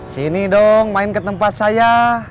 sini dong main ke tempat saya